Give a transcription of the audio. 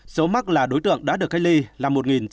số mắc là đối tượng đã được cách ly là một